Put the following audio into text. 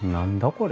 これ。